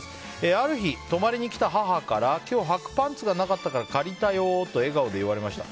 ある日泊まりに来た母から今日はくパンツがないから借りたよと言われました。